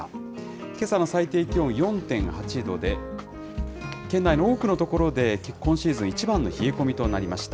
けさの最低気温４．８度で、県内の多くの所で、今シーズン一番の冷え込みとなりました。